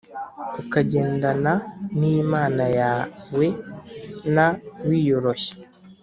ukagendana n Imana yawen wiyoroshya